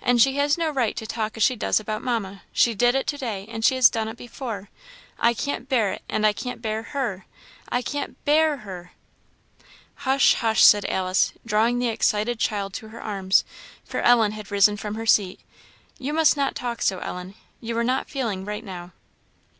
and she has no right to talk as she does about Mamma. She did it to day, and she has done it before. I can't bear it! and I can't bear her! I can't bear her!" "Hush, hush," said Alice, drawing the excited child to her arms, for Ellen had risen from her seat "you must not talk so, Ellen; you are not feeling right now."